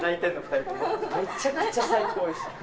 めちゃくちゃ最高でした。